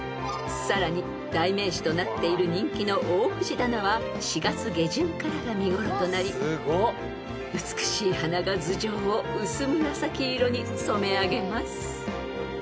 ［さらに代名詞となっている人気の大藤棚は４月下旬からが見頃となり美しい花が頭上を薄紫色に染め上げます］